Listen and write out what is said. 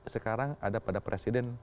sekarang ada pada presiden